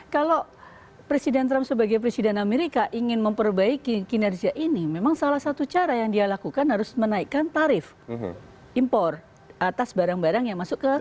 kalau presiden trump sebagai presiden amerika ingin memperbaiki kinerja ini memang salah satu cara yang dia lakukan harus menaikkan tarif impor atas barang barang yang masuk ke indonesia